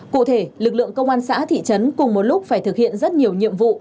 cụ thể lực lượng công an xã thị trấn cùng một lúc phải thực hiện rất nhiều nhiệm vụ